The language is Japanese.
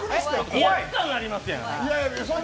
威圧感ありますやん。